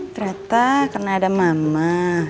ternyata karena ada mama